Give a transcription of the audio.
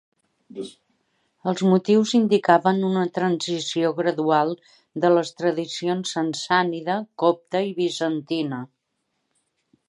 Els motius indicaven una transició gradual de les tradicions sassànida, copta i bizantina.